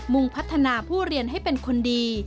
งพัฒนาผู้เรียนให้เป็นคนดี